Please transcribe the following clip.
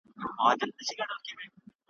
احتیاط ښه دی په حساب د هوښیارانو `